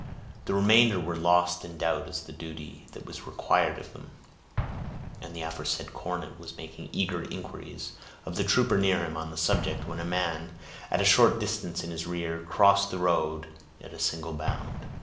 The remainder were lost in doubt as to the duty that was required of them; and the aforesaid cornet was making eager inquiries of the trooper near him on the subject, when a man, at a short distance in his rear, crossed the road at a single bound.